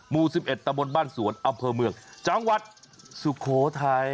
หมู่๑๑ตะบนบ้านสวนอำเภอเมืองจังหวัดสุโขทัย